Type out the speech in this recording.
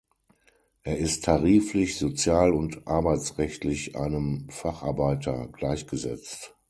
Er ist tariflich, sozial- und arbeitsrechtlich einem Facharbeiter gleichgesetzt.